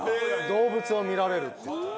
動物を見られるっていって。